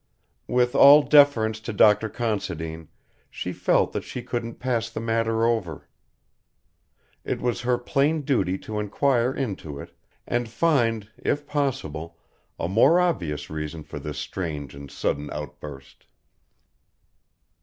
With all deference to Dr. Considine she felt that she couldn't pass the matter over. It was her plain duty to enquire into it, and find, if possible, a more obvious reason for this strange and sudden outburst.